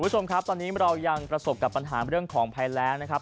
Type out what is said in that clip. คุณผู้ชมครับตอนนี้เรายังประสบกับปัญหาเรื่องของภัยแรงนะครับ